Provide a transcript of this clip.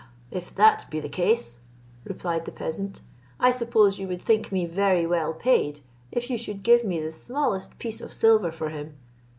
"If that be the case," replied the peasant, "I suppose you would think me very well paid, if you should give me the smallest piece of silver for him.